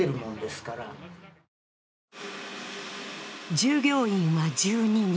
従業員は１２人。